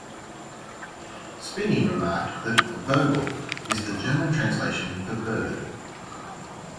Spinney remarked that "Vogel" is the German translation for "bird".